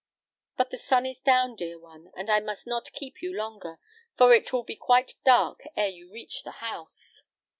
But the sun is down, dear one, and I must not keep you longer, for it will be quite dark ere you reach the house."